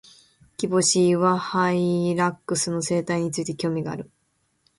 キボシイワハイラックスの生態について、興味がある。